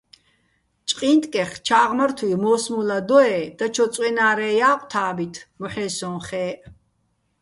ჭკინტკეხ ჩა́ღმართუჲვ მო́სმულა დოე́ დაჩო წვენა́რეჼ ჲაყო̆ თა́ბით, მოჰ̦ე სოჼ ხე́ჸ.